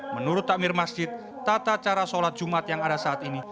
menurut takmir masjid tata cara sholat jumat yang ada saat ini